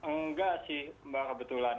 enggak sih mbak kebetulan